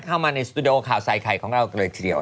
เข้ามาในสตูดิโอข่าวใส่ไข่ของเรากันเลยทีเดียว